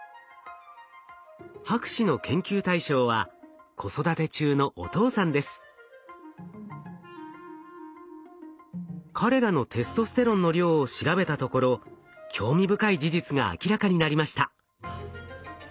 博士の研究対象は彼らのテストステロンの量を調べたところ興味深い事実が明らかになりました。